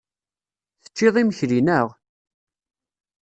Tecciḍ imekli, naɣ?